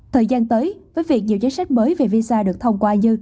thời gian tới với việc nhiều danh sách mới về visa được thông qua như